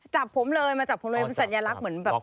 จับผมเลยมันสัญลักษณ์เหมือนแบบ